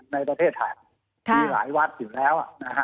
ในประเทศไทยมีหลายวัดอยู่แล้วนะฮะ